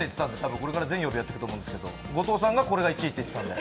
これから全曜日やっていくと思うんですけど、後藤さんがこれが１位って言ってたんで。